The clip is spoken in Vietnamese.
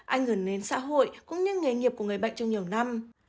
ảnh hưởng đến xã hội cũng như nghề nghiệp của người bệnh trong nhiều năm